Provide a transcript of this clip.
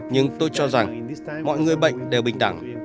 nhưng tôi cho rằng mọi người bệnh đều bình đẳng